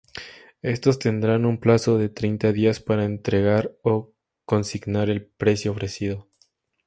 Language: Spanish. Estos tendrán un plazo de treinta días para entregar o consignar el precio ofrecido.